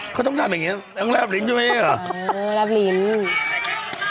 เขาต้องทำอย่างเงี้ยแล้วเรียบริ้นใช่มั้ย